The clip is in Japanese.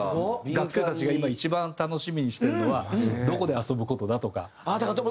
学生たちが今一番楽しみにしてるのはどこで遊ぶ事だとか。